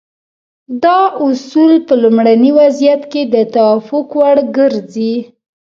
دا اصول په لومړني وضعیت کې د توافق وړ ګرځي.